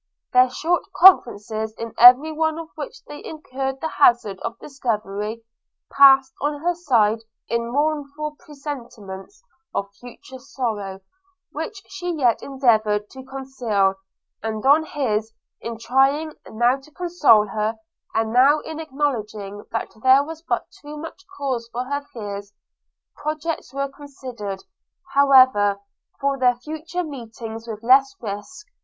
Their short conferences, in every one of which they incurred the hazard of discovery, passed, on her side, in mournful presentiments of future sorrow, which she yet endeavoured to conceal; and on his, in trying, now to console her, and now in acknowledging that there was but too much cause for her fears: projects were considered, however, for their future meetings with less risk.